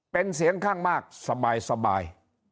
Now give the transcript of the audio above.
เป็นเสียงข้างมากสบาย